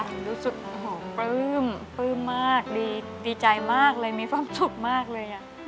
รู้สึกโอ้โหปลื้มปลื้มมากดีใจมากเลยมีความสุขมากเลย